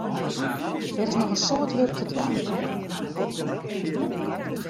Der is noch in soad wurk te dwaan.